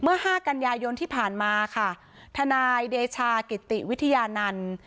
ห้ากันยายนที่ผ่านมาค่ะทนายเดชากิติวิทยานันต์